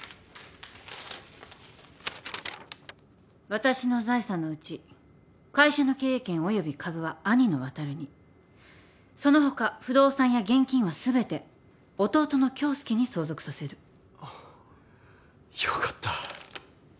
「私の財産のうち会社の経営権および株は兄の渉にその他不動産や現金は全て弟の恭介に相続させる」あよかった。